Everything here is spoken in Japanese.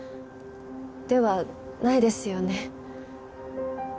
ではないですよね？